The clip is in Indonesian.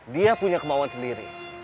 dia punya kemauan sendiri